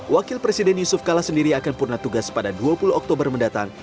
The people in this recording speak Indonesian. wakil presiden yusuf kala sendiri akan purna tugas pada dua puluh oktober mendatang